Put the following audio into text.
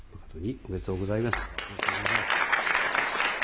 ありがとうございます。